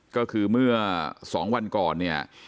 ก็คือเมื่อ๒วันก่อนเนี่ย